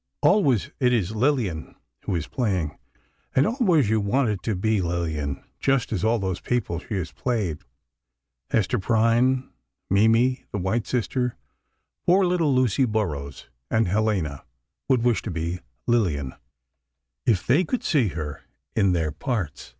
Always, it is Lillian who is playing, and always you want it to be Lillian, just as all those people she has played—Hester Prynne, Mimi, the White Sister, poor little Lucy Burrows, and Helena—would wish to be Lillian, if they could see her in their parts.